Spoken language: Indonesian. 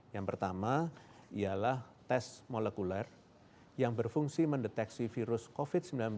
yang pertama ialah tes molekuler yang berfungsi mendeteksi virus covid sembilan belas